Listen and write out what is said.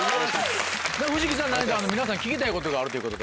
藤木さん何か皆さんに聞きたいことがあるということで。